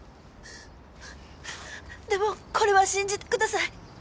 でもこれは信じてください